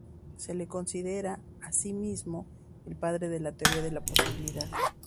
Se le considera asimismo el padre de la teoría de la posibilidad.